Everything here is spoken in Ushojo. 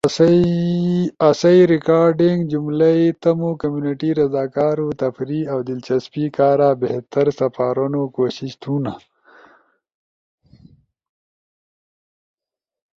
آسئی ریکارڈنگ جملئی تمو کمیونٹی رضا کارو تفریح اؤ دلچسپی کارا بہتر سپارونو کوشش تھونا۔